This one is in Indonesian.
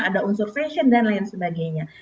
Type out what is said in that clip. ada unsur fashion dan lain sebagainya